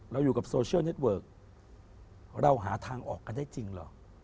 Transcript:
อยู่กับโซเชียลเน็ตเวิร์กเราหาทางออกกันได้จริงเหรอ